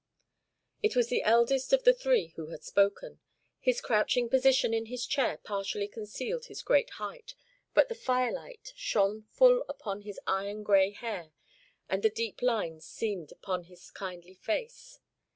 It was the eldest of the three who had spoken. His crouching position in his chair partially concealed his great height, but the firelight shone full upon his iron grey hair and the deep lines seamed upon his kindly face.